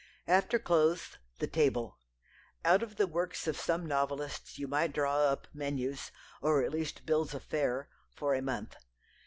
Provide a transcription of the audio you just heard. After clothes, the table. Out of the works of some novelists you might draw up menus, or at least bills of fare, for a month.